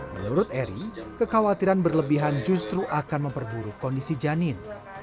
menurut eri kekhawatiran berlebihan justru akan memperburuk kondisi janin